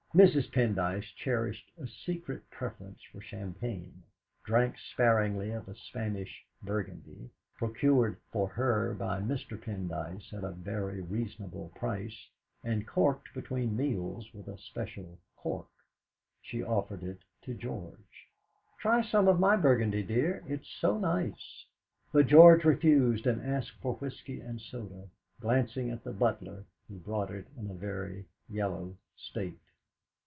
Mrs. Pendyce, cherishing a secret preference for champagne, drank sparingly of a Spanish burgundy, procured for her by Mr. Pendyce at a very reasonable price, and corked between meals with a special cork. She offered it to George. "Try some of my burgundy, dear; it's so nice." But George refused and asked for whisky and soda, glancing at the butler, who brought it in a very yellow state.